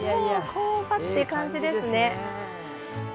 工場って感じですね。